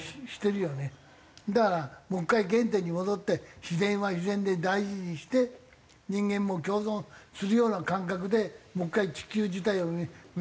だからもう一回原点に戻って自然は自然で大事にして人間も共存するような感覚でもう一回地球自体を見直さないと。